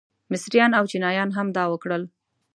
مصریان او چینیان هم دا وکړل.